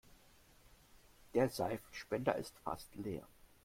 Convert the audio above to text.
Der Seifenspender ist fast leer.